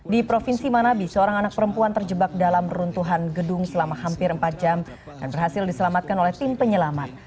di provinsi manabi seorang anak perempuan terjebak dalam runtuhan gedung selama hampir empat jam dan berhasil diselamatkan oleh tim penyelamat